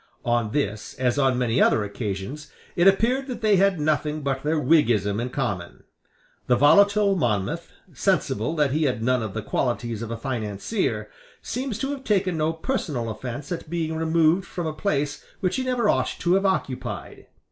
On this, as on many other occasions, it appeared that they had nothing but their Whiggism in common. The volatile Monmouth, sensible that he had none of the qualities of a financier, seems to have taken no personal offence at being removed from a place which he never ought to have occupied.